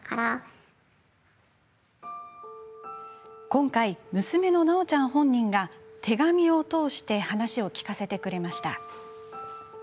今回、娘のなおちゃん本人が手紙を通して話を聞かせてくれました。